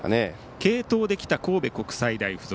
継投できた神戸国際大付属。